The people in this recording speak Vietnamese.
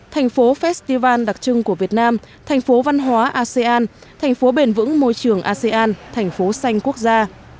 thành phố festival đặc trưng của việt nam thành phố văn hóa asean thành phố bền vững môi trường asean thành phố xanh quốc gia